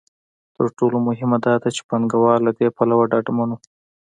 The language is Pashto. تر ټولو مهمه دا ده چې پانګوال له دې پلوه ډاډمن وو.